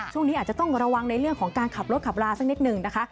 ช่วงนี้อาจจะต้องระวังในเรื่องของการขับรถขับลาสักนิดหนึ่งนะคะ